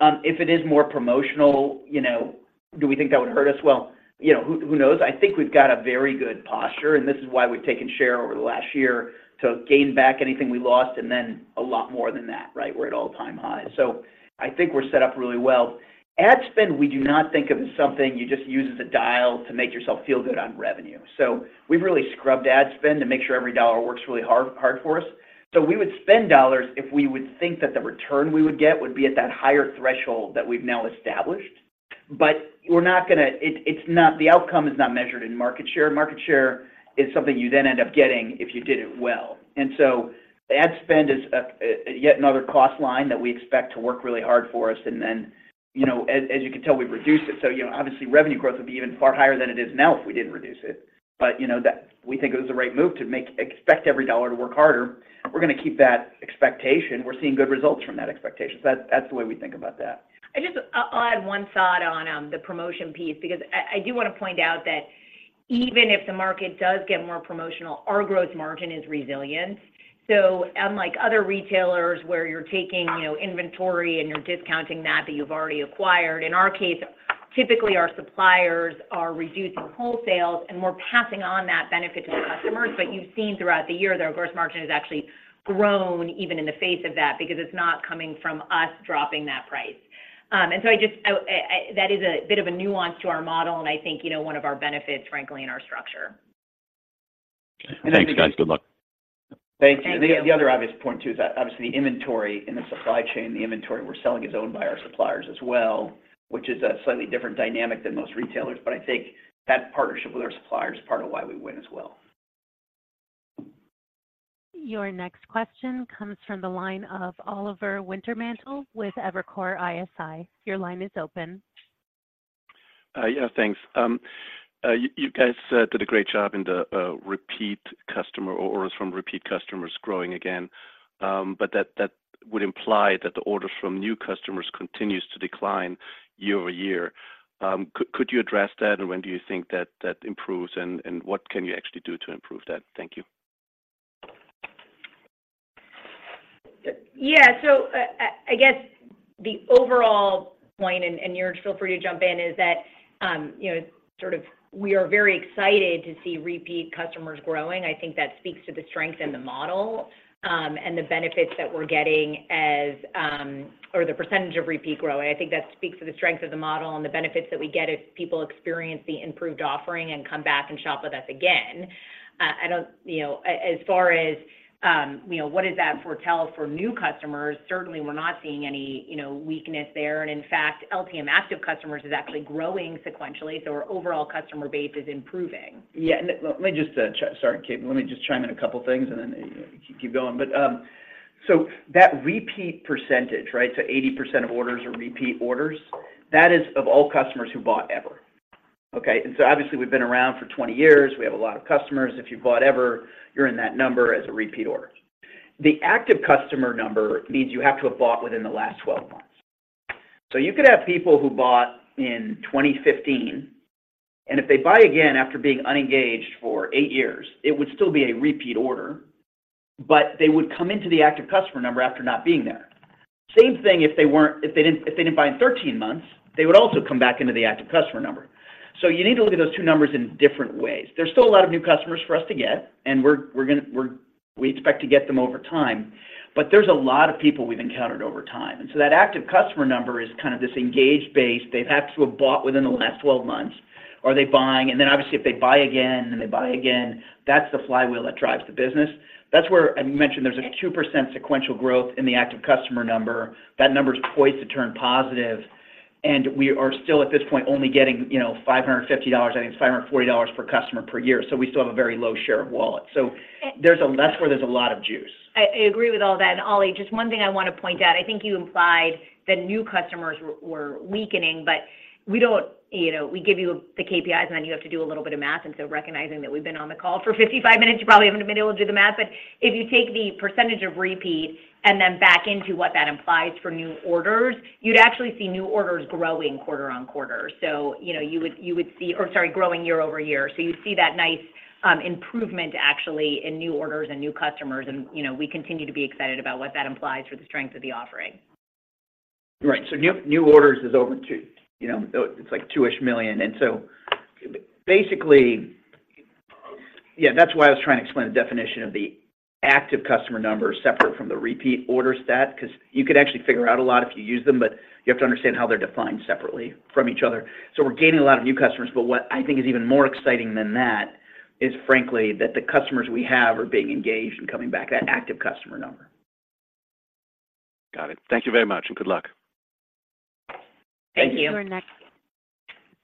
If it is more promotional, you know, do we think that would hurt us? Well, you know, who knows? I think we've got a very good posture, and this is why we've taken share over the last year to gain back anything we lost, and then a lot more than that, right? We're at an all-time high. So I think we're set up really well. Ad spend, we do not think of as something you just use as a dial to make yourself feel good on revenue. So we've really scrubbed ad spend to make sure every dollar works really hard, hard for us. So we would spend dollars if we would think that the return we would get would be at that higher threshold that we've now established. But we're not gonna. It, it's not... The outcome is not measured in market share. Market share is something you then end up getting if you did it well. And so ad spend is a yet another cost line that we expect to work really hard for us, and then, you know, as you can tell, we've reduced it. So, you know, obviously, revenue growth would be even far higher than it is now if we didn't reduce it. But, you know, that we think it was the right move to make, expect every dollar to work harder. We're gonna keep that expectation. We're seeing good results from that expectation. So that's, that's the way we think about that. I just, I'll add one thought on the promotion piece, because I do wanna point out that even if the market does get more promotional, our gross margin is resilient. So unlike other retailers, where you're taking, you know, inventory and you're discounting that that you've already acquired, in our case, typically our suppliers are reducing wholesales, and we're passing on that benefit to the customers. But you've seen throughout the year that our gross margin has actually grown, even in the face of that, because it's not coming from us dropping that price. And so that is a bit of a nuance to our model, and I think, you know, one of our benefits, frankly, in our structure. Thanks, guys. Good luck. Thank you. Thank you. The other obvious point, too, is that obviously, the inventory in the supply chain, the inventory we're selling is owned by our suppliers as well, which is a slightly different dynamic than most retailers, but I think that partnership with our suppliers is part of why we win as well. Your next question comes from the line of Oliver Wintermantel with Evercore ISI. Your line is open. Yeah, thanks. You guys did a great job in the repeat customer, or orders from repeat customers growing again. But that would imply that the orders from new customers continues to decline year over year. Could you address that, and when do you think that improves, and what can you actually do to improve that? Thank you. Yeah. So, I guess the overall point, and Niraj, feel free to jump in, is that, you know, sort of we are very excited to see repeat customers growing. I think that speaks to the strength in the model, and the benefits that we're getting as... or the percentage of repeat growing. I think that speaks to the strength of the model and the benefits that we get as people experience the improved offering and come back and shop with us again. I don't, you know, as far as, you know, what does that foretell for new customers, certainly we're not seeing any, you know, weakness there. And in fact, LTM active customers is actually growing sequentially, so our overall customer base is improving. Yeah, and let me just, sorry, Kate, let me just chime in a couple things, and then you can keep going. But, so that repeat percentage, right, so 80% of orders are repeat orders. That is of all customers who bought ever, okay? And so obviously, we've been around for 20 years. We have a lot of customers. If you've bought ever, you're in that number as a repeat order. The active customer number means you have to have bought within the last 12 months. So you could have people who bought in 2015, and if they buy again after being unengaged for 8 years, it would still be a repeat order, but they would come into the active customer number after not being there. Same thing if they didn't buy in 13 months, they would also come back into the active customer number. So you need to look at those two numbers in different ways. There's still a lot of new customers for us to get, and we're gonna, we expect to get them over time, but there's a lot of people we've encountered over time. And so that active customer number is kind of this engaged base. They've had to have bought within the last 12 months. Are they buying? And then obviously, if they buy again, and they buy again, that's the flywheel that drives the business. That's where, and you mentioned there's a 2% sequential growth in the active customer number. That number is poised to turn positive, and we are still, at this point, only getting, you know, $550, I think it's $540 per customer per year, so we still have a very low share of wallet. So- A- That's where there's a lot of juice. I, I agree with all that. And Oli, just one thing I want to point out, I think you implied that new customers were weakening, but we don't, you know, we give you the KPIs, and then you have to do a little bit of math. And so recognizing that we've been on the call for 55 minutes, you probably haven't been able to do the math. But if you take the percentage of repeat and then back into what that implies for new orders, you'd actually see new orders growing quarter-on-quarter. So you know, you would see... Or sorry, growing year-over-year. So you see that nice improvement actually in new orders and new customers, and, you know, we continue to be excited about what that implies for the strength of the offering. Right. So new orders is over two, you know, it's like 2-ish million. And so basically, yeah, that's why I was trying to explain the definition of the active customer number separate from the repeat order stat, 'cause you could actually figure out a lot if you use them, but you have to understand how they're defined separately from each other. So we're gaining a lot of new customers, but what I think is even more exciting than that is, frankly, that the customers we have are being engaged and coming back, that active customer number. Got it. Thank you very much, and good luck. Thank you. Thank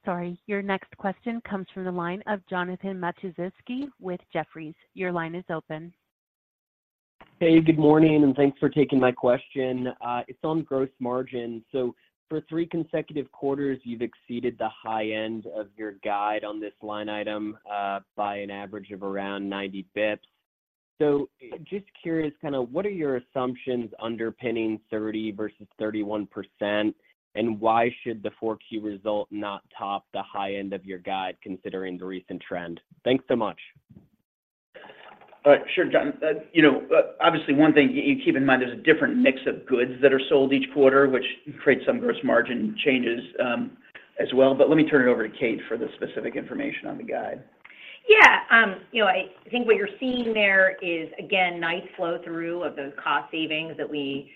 you. Your next question comes from the line of Jonathan Matuszewski with Jefferies. Your line is open. Hey, good morning, and thanks for taking my question. It's on gross margin. So for three consecutive quarters, you've exceeded the high end of your guide on this line item by an average of around 90 basis points. So just curious, kind of what are your assumptions underpinning 30% versus 31%? And why should the 4Q result not top the high end of your guide, considering the recent trend? Thanks so much. Sure, Jonathan. You know, obviously, one thing you keep in mind, there's a different mix of goods that are sold each quarter, which creates some gross margin changes, as well. But let me turn it over to Kate for the specific information on the guide. Yeah. You know, I think what you're seeing there is, again, nice flow-through of those cost savings that we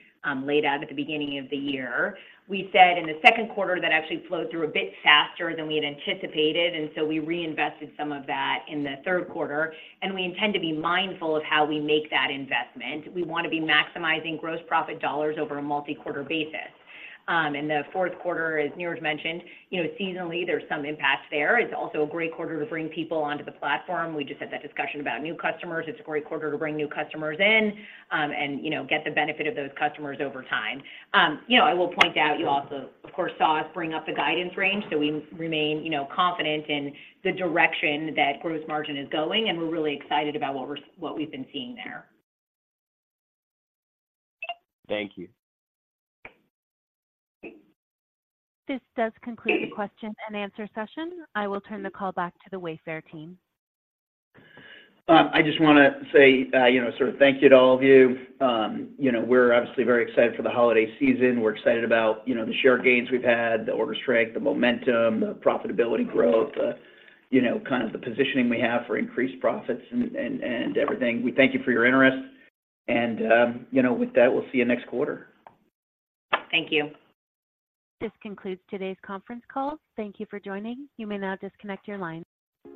laid out at the beginning of the year. We said in the second quarter, that actually flowed through a bit faster than we had anticipated, and so we reinvested some of that in the third quarter, and we intend to be mindful of how we make that investment. We want to be maximizing gross profit dollars over a multi-quarter basis. In the fourth quarter, as Niraj mentioned, you know, seasonally, there's some impact there. It's also a great quarter to bring people onto the platform. We just had that discussion about new customers. It's a great quarter to bring new customers in, and, you know, get the benefit of those customers over time. You know, I will point out, you also, of course, saw us bring up the guidance range, so we remain, you know, confident in the direction that gross margin is going, and we're really excited about what we're, what we've been seeing there. Thank you. This does conclude the question and answer session. I will turn the call back to the Wayfair team. I just wanna say, you know, sort of thank you to all of you. You know, we're obviously very excited for the holiday season. We're excited about, you know, the share gains we've had, the order strength, the momentum, the profitability growth, the, you know, kind of the positioning we have for increased profits and, and, and everything. We thank you for your interest, and, you know, with that, we'll see you next quarter. Thank you. This concludes today's conference call. Thank you for joining. You may now disconnect your lines.